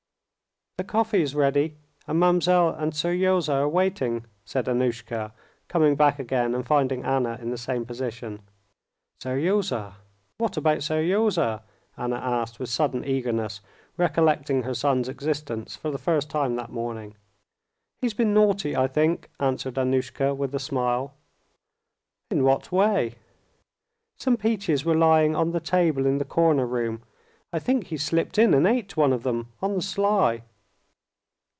"The coffee is ready, and mademoiselle and Seryozha are waiting," said Annushka, coming back again and finding Anna in the same position. "Seryozha? What about Seryozha?" Anna asked, with sudden eagerness, recollecting her son's existence for the first time that morning. "He's been naughty, I think," answered Annushka with a smile. "In what way?" "Some peaches were lying on the table in the corner room. I think he slipped in and ate one of them on the sly."